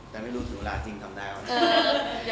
แต่ไม่รู้ถึงเวลาจริงทำได้มั้ย